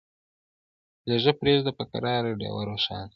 لیږه پریږده په قرار ډېوه روښانه